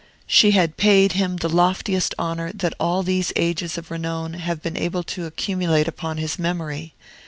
She had paid him the loftiest honor that all these ages of renown have been able to accumulate upon his memory.